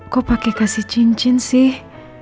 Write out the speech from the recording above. kok pakai kasih cincin sih